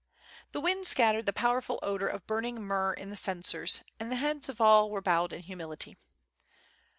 The wind scattered the powerful odor of burning myrrh in the censers, and the heads of all were bowed in humility.